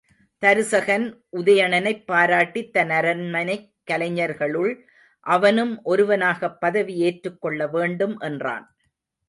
தருசகன் உதயணனைப் பாராட்டித் தன் அரண்மனைக் கலைஞர்களுள் அவனும் ஒருவனாகப் பதவி ஏற்றுக் கொள்ள வேண்டும் என்றான்.